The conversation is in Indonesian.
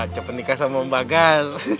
cepet nikah sama mbak gas